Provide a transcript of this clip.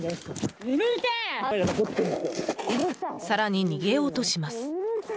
更に逃げようとします。